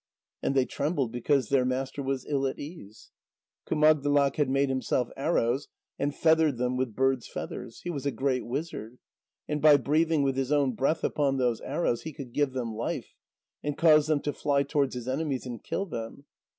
And they trembled because their master was ill at ease. Kumagdlak had made himself arrows, and feathered them with birds' feathers. He was a great wizard, and by breathing with his own breath upon those arrows he could give them life, and cause them to fly towards his enemies and kill them.